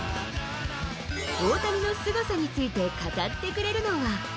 大谷のすごさについて語ってくれるのは。